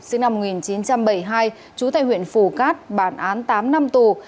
sinh năm một nghìn chín trăm bảy mươi hai trú tại huyện phù cát bản án tám năm tù